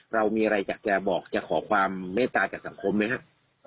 เรามีอะไรอยากจะบอกจะขอความเมตตาจากสังคมไหมครับ